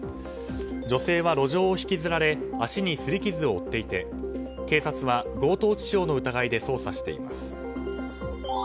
女性は路上を引きずられ足に擦り傷を負っていて警察は強盗致傷の疑いで捜査しています。